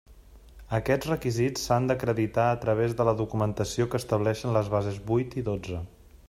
Aquests requisits s'han d'acreditar a través de la documentació que estableixen les bases vuit i dotze.